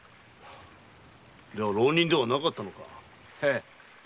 では浪人ではなかったのか。